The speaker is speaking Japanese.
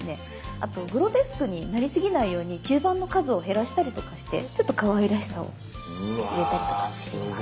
あとグロテスクになりすぎないように吸盤の数を減らしたりとかしてちょっとかわいらしさを入れたりとかしています。